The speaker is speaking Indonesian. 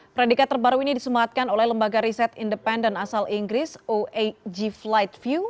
peredikat terbaru ini disematkan oleh lembaga riset independen asal inggris oag flightview